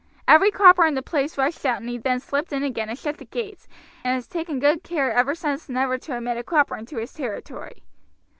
every cropper in the place rushed out, and he then slipped in again and shut the gates, and has taken good care ever since never to admit a cropper into his territory."